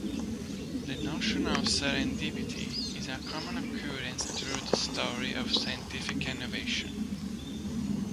The notion of serendipity is a common occurrence throughout the history of scientific innovation.